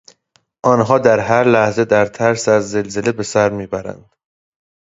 آنها در هر لحظه در ترس از زلزله به سر میبرند.